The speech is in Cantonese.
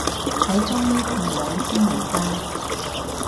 睇中醫調理先嚟返